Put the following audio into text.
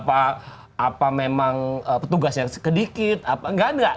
apa memang petugasnya sedikit apa nggak